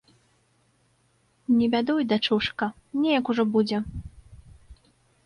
Не бядуй, дачушка, неяк ужо будзе.